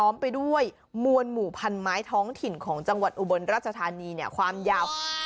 ม้ายท้องถิ่นของจังหวัดอุบรรณราชธานีความยาว๔๑๕เมตร